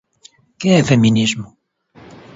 Que é feminismo?